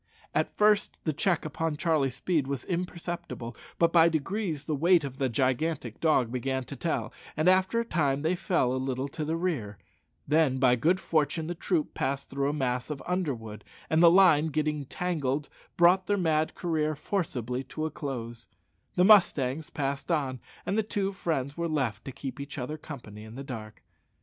At first the check upon Charlie's speed was imperceptible, but by degrees the weight of the gigantic dog began to tell, and after a time they fell a little to the rear; then by good fortune the troop passed through a mass of underwood, and the line getting entangled brought their mad career forcibly to a close; the mustangs passed on, and the two friends were left to keep each other company in the dark.